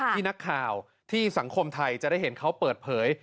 ที่นักข่าวที่สังคมไทยจะได้เห็นเขาเปิดเผย